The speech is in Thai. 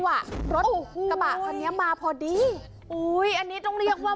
วันนี้มาพอดีอุ้ยอันนี้ต้องเรียกว่า